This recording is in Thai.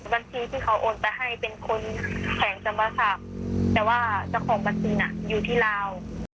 บัญชีที่เขาโอนไปให้เป็นคนแผงสมศักดิ์แต่ว่าเจ้าของบัญชีอยู่ที่ลาว